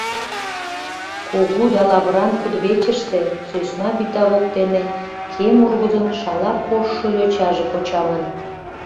Кугу да лавыран кудывечыште, сӧсна вӱта воктене кем ургызын шала коштшо йочаже почаҥын.